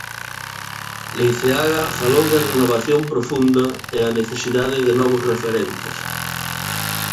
Leiceaga falou de "renovación profunda" e a necesidade de "novos referentes".